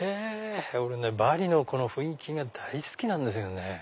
俺ねバリの雰囲気が大好きなんですよね。